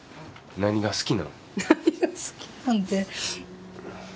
何が好きなんって。